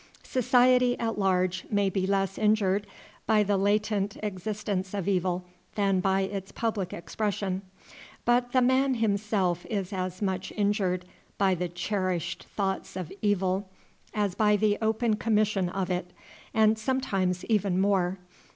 Society at large may be less injured by the latent existence of evil than by its public expression; but the man himself is as much injured by the cherished thoughts of evil as by the open commission of it, and sometimes even more.